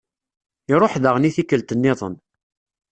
Iṛuḥ daɣen i tikkelt-nniḍen.